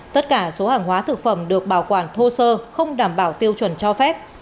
tất cả số hàng hóa thực phẩm được bảo quản thô sơ không đảm bảo tiêu chuẩn cho phép